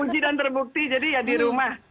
uji dan terbukti jadi ya di rumah